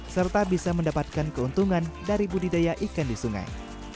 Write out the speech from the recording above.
serta bisa mendapatkan keuntungan dari budidaya ikan di sungai